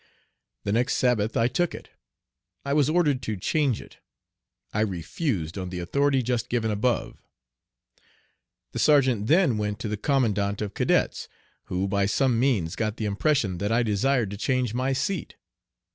The next Sabbath I took it. I was ordered to change it. I refused on the authority just given above. The sergeant then went to the commandant of cadets, who by some means got the impression that I desired to change my seat.